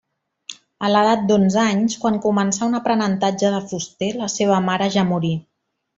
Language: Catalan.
A l'edat d'onze anys, quan començà un aprenentatge de fuster, la seva mare ja morí.